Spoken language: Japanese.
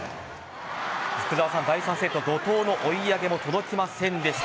第３セット、怒涛の追い上げも届きませんでした。